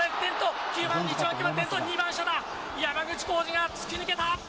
転倒、２番車だ、山口幸二が突き抜けた！